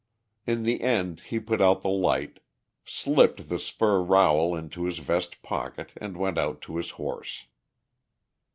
In the end he put out the light, slipped the spur rowel into his vest pocket, and went out to his horse.